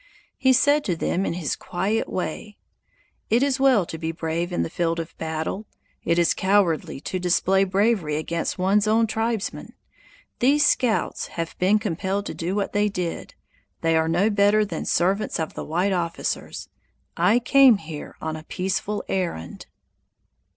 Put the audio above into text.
He said to them in his quiet way: "It is well to be brave in the field of battle; it is cowardly to display bravery against one's own tribesmen. These scouts have been compelled to do what they did; they are no better than servants of the white officers. I came here on a peaceful errand."